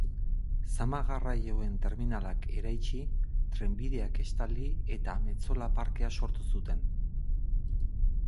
Zama-garraioen terminalak eraitsi, trenbideak estali eta Ametzola parkea sortu zuten.